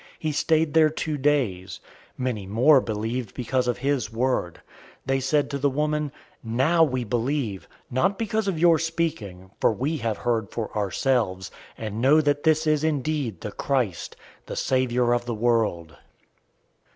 He stayed there two days. 004:041 Many more believed because of his word. 004:042 They said to the woman, "Now we believe, not because of your speaking; for we have heard for ourselves, and know that this is indeed the Christ, the Savior of the world."